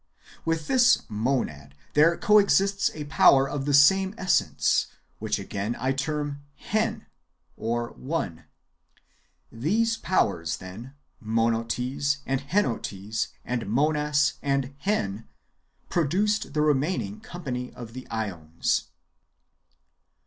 With this Monad there co exists a power of the same essence, which again I term Hen (One). These powers then — Monotes, and Henotes, and Monas, and Hen — produced the remaining company of the ^ons.